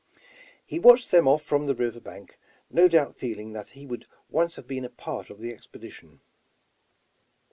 He watched them off from the river bank, no doubt feeling that he would once have been a part of the expedition.